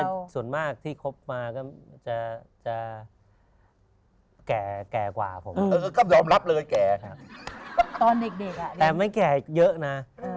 คุณแจงกำลังจะประกาศว่าอีหนูที่อายุน้อย